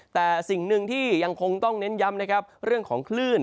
แต่สิ่งหนึ่งที่ยังคงต้องเน้นย้ำนะครับเรื่องของคลื่น